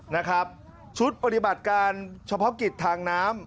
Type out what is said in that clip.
นะครับชุดปฏิบัติการเฉพาะกิจทางน้ำ